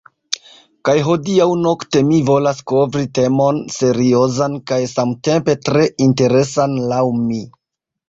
Kaj hodiaŭ nokte mi volas kovri temon seriozan kaj samtempe tre interesan laŭ mi.